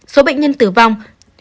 số bệnh nhân tử vong